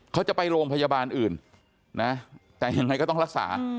เขาจะไปโรงพยาบาลอื่นนะแต่ยังไงก็ต้องรักษา